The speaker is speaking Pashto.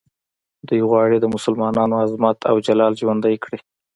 دوی غواړي د مسلمانانو عظمت او جلال ژوندی کړي.